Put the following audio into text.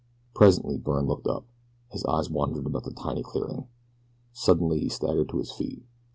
Presently Byrne looked up. His eyes wandered about the tiny clearing. Suddenly he staggered to his feet.